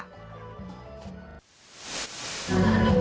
จริง